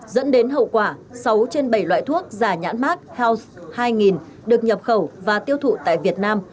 dẫn đến hậu quả sáu trên bảy loại thuốc giả nhãn mát hels hai nghìn được nhập khẩu và tiêu thụ tại việt nam